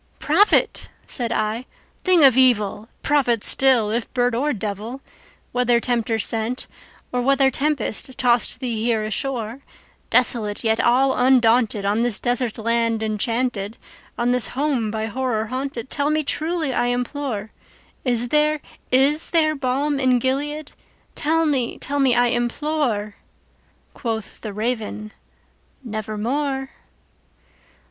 "Prophet!" said I, "thing of evil! prophet still, if bird or devil! Whether Tempter sent, or whether tempest tossed thee here ashore, Desolate yet all undaunted, on this desert land enchanted—On this home by Horror haunted—tell me truly, I implore:Is there—is there balm in Gilead?—tell me—tell me, I implore!"Quoth the Raven, "Nevermore."